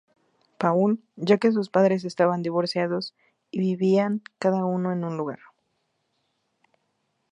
Paul, ya que sus padres estaban divorciados y vivían cada uno en un lugar.